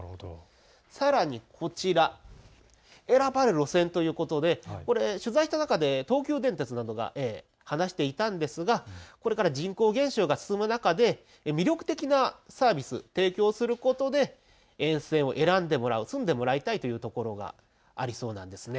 さらにこちら、選ばれる路線ということで取材した中で東急電鉄などが話していたんですがこれから人口減少が進む中で魅力的なサービスを提供することで沿線を選んでもらう住んでもらいたいというところがありそうなんです。